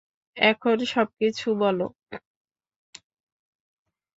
এখন সবকিছু বলো।